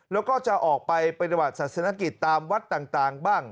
แล้วก็จะออกไปเป็นระหว่างศาสนาธิตตามวัดต่างบ้าง